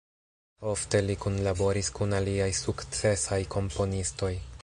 Ofte li kunlaboris kun aliaj sukcesaj komponistoj.